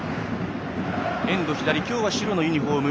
エンド左今日は白のユニフォーム